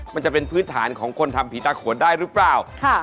มันจะเป็นพื้นฐานของคนทำผีตาโขนได้หรือเปล่า